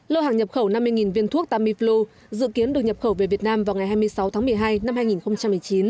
lô hàng nhập khẩu năm mươi viên thuốc tamiflu dự kiến được nhập khẩu về việt nam vào ngày hai mươi sáu tháng một mươi hai năm hai nghìn một mươi chín